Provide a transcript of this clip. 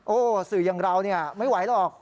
โอ้โหสื่ออย่างเราไม่ไหวหรอก